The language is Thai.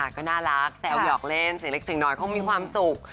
ค่ะก็น่ารักแสวเหยาะเล่นเสียงเล็กหน่อยเข้ามีความสุข